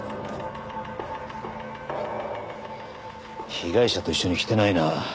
被害者と一緒に来てないな。